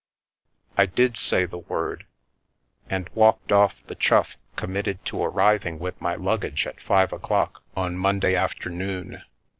I did say the word, and walked off the Chough com General Cargo mitted to arriving with my luggage at five o'clock on Monday afternoon.